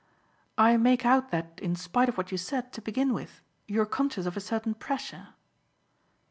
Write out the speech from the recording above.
"I make out that in spite of what you said to begin with you're conscious of a certain pressure."